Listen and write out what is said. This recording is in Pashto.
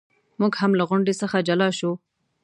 موږ هم له غونډې څخه جلا شو.